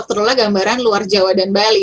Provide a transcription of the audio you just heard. dr lula gambaran luar jawa dan bali